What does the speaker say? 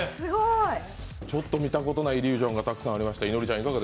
ちょっと見たことないイリュージョンがたくさんありました。